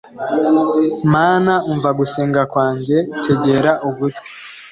Mana umva gusenga kwanjye tegera ugutwi